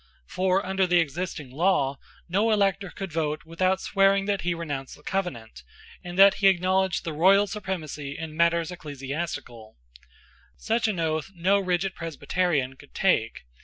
For under the existing law no elector could vote without swearing that he renounced the Covenant, and that he acknowledged the Royal supremacy in matters ecclesiastical, Such an oath no rigid Presbyterian could take.